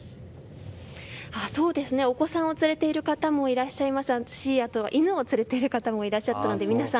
お子さんを連れている方もいらっしゃいますし犬を連れている方もいらっしゃるので皆さん